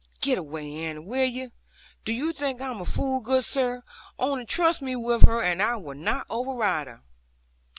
'Get away, Annie, will you? Do you think I'm a fool, good sir! Only trust me with her, and I will not override her.'